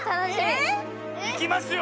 えぇ⁉いきますよ！